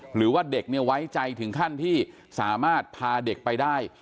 หรือว่าเด็กเนี่ยไว้ใจถึงขั้นที่สามารถพาเด็กไปได้